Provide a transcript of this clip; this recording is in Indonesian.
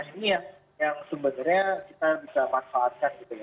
ini yang sebenarnya kita bisa manfaatkan gitu ya